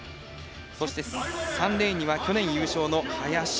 そして３レーンには去年優勝の林。